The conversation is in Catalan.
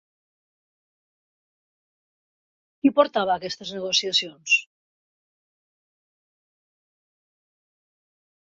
Qui portava aquestes negociacions?